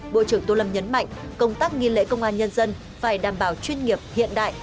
bộ trưởng tô lâm nhấn mạnh công tác nghi lễ công an nhân dân phải đảm bảo chuyên nghiệp hiện đại